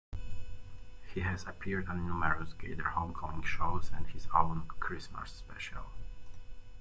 He has appeared on numerous "Gaither Homecoming" shows, and his own Christmas special.